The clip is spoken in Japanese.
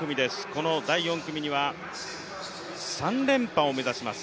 この第４組みは３連覇を目指します